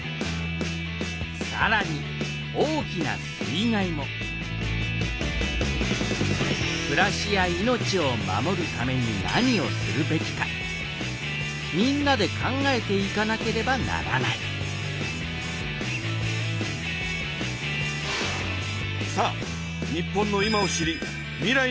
さらに大きな水害もくらしや命を守るために何をするべきかみんなで考えていかなければならないさあ日本の今を知り未来のことを考えよう。